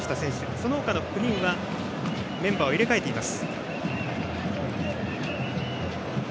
その他の９人はメンバーを入れ替えています。